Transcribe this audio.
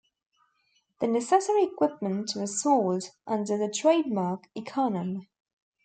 The necessary equipment was sold under the trademark "Econom".